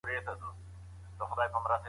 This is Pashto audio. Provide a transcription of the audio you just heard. د ده ذهن د تېرو یادونو کور و.